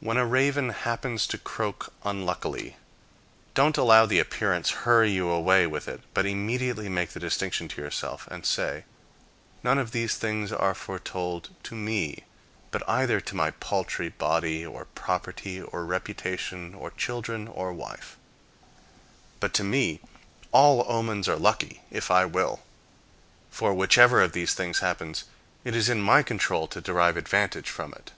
When a raven happens to croak unluckily, don't allow the appearance hurry you away with it, but immediately make the distinction to yourself, and say, "None of these things are foretold to me; but either to my paltry body, or property, or reputation, or children, or wife. But to me all omens are lucky, if I will. For whichever of these things happens, it is in my control to derive advantage from it."